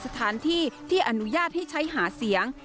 สถานที่ที่อนุญาตให้ใช้หาเสียง